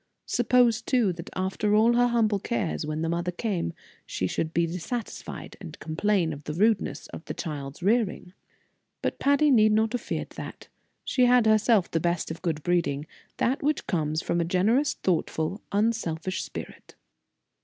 Suppose, too, that after all her humble cares, when the mother came, she should be dissatisfied and complain of the rudeness of the child's rearing? But Patty need not have feared that; she had herself the best of good breeding, that which comes from a generous, thoughtful, unselfish spirit.